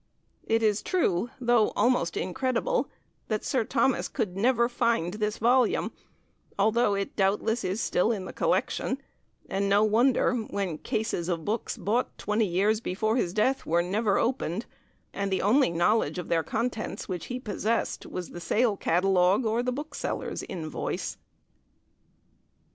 It is true, though almost incredible, that Sir Thomas could never find this volume, although it is doubtless still in the collection, and no wonder, when cases of books bought twenty years before his death were never opened, and the only knowledge of their contents which he possessed was the Sale Catalogue or the bookseller's invoice.